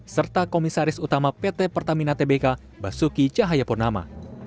serta komisaris utama pt pertamina tbk basuki cahayapurnama